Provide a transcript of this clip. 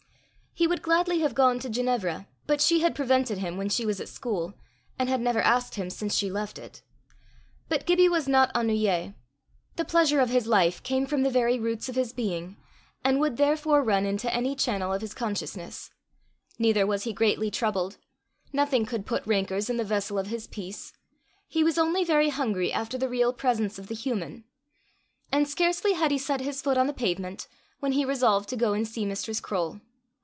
He would gladly have gone to Ginevra, but she had prevented him when she was at school, and had never asked him since she left it. But Gibbie was not ennuyé: the pleasure of his life came from the very roots of his being, and would therefore run into any channel of his consciousness; neither was he greatly troubled; nothing could "put rancours in the vessel of" his "peace;" he was only very hungry after the real presence of the human; and scarcely had he set his foot on the pavement, when he resolved to go and see Mistress Croale.